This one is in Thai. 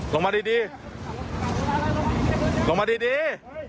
ลงมาดีลงมาดี